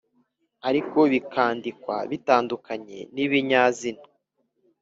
ariko bikandikwa bitandukanye n ibinyazina